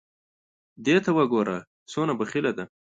دې ته وګوره څونه بخیله ده !